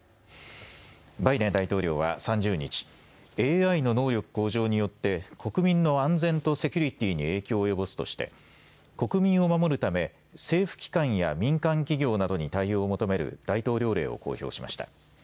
バイデン大統領は３０日、ＡＩの能力向上によって国民の安全とセキュリティーに影響を及ぼすとして国民を守るため政府機関や民間企業などに対応を求める大統領令を公表しました。